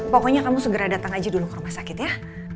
pokoknya kamu segera datang aja dulu ke rumah sakit ya